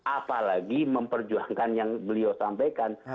apalagi memperjuangkan yang beliau sampaikan